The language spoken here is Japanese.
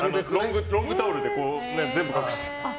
ロングタオルで全部隠して。